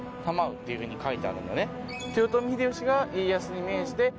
っていうふうに書いてあるんだよね。